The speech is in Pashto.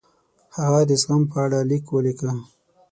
هغه د زغم په اړه لیک ولیکه.